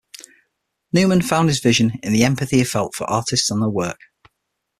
Newman found his vision in the empathy he felt for artists and their work.